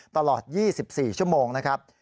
ตลอด๒๔ชั่วโมงนะครับ